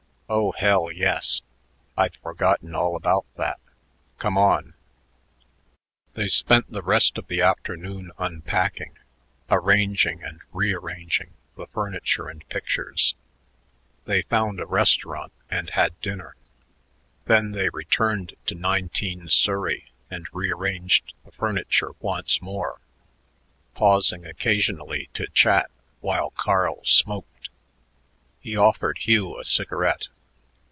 "Oh, hell, yes. I'd forgotten all about that. Come on." They spent the rest of the afternoon unpacking, arranging and rearranging the furniture and pictures. They found a restaurant and had dinner. Then they returned to 19 Surrey and rearranged the furniture once more, pausing occasionally to chat while Carl smoked. He offered Hugh a cigarette.